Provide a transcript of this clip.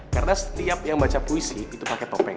karena setiap yang baca puisi lo lo akan dapet topeng